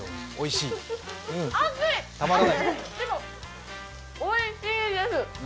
でもおいしいです。